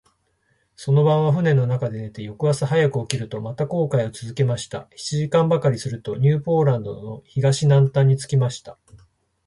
その晩は舟の中で寝て、翌朝早く起きると、また航海をつづけました。七時間ばかりすると、ニューポランドの東南端に着きました。